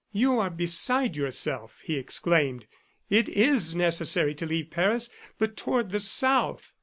"You are beside yourself!" he exclaimed. "It is necessary to leave Paris, but toward the South.